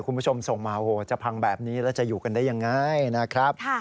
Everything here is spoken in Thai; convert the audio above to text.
คุณผู้ชมส่งมาโอ้โหจะพังแบบนี้แล้วจะอยู่กันได้ยังไงนะครับ